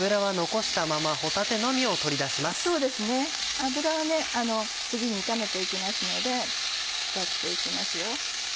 油は次に炒めて行きますので使って行きますよ。